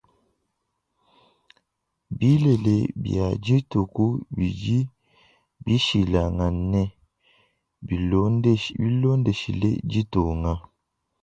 Bilele bia dîku bidi bishilangane bilondeshile ditunga.